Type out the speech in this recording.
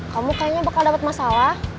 kamu kayaknya bakal dapat masalah